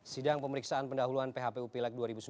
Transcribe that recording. sidang pemeriksaan pendahuluan phpup lek dua ribu sembilan belas